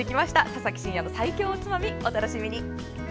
「田崎真也の最強おつまみ」お楽しみに。